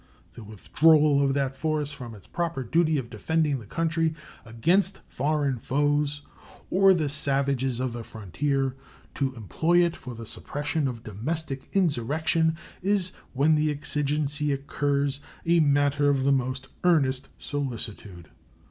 The withdrawal of that force from its proper duty of defending the country against foreign foes or the savages of the frontier to employ it for the suppression of domestic insurrection is, when the exigency occurs, a matter of the most earnest solicitude.